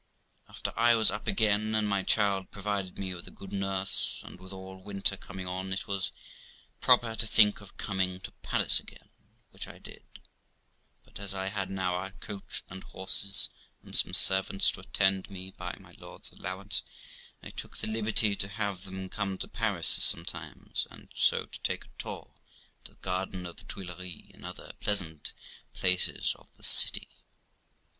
After I was up again, and my child provided with a good nurse, and, withal, winter coming on, it was proper to think of coming to Paris again, which I did; but, as I had now a coach and horses, and some servants to attend me, by my lord's allowance, I took the liberty to have them come to Paris sometimes, and so to take a tour into the garden of the Tuileries and the other pleasant places of the city.